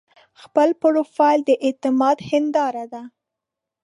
خپل پروفایل د اعتماد هنداره ده.